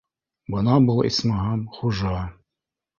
- Бына был, исмаһам, хужа